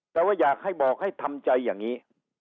แต่ว่าอยากให้บอกให้ทำใจอย่างนี้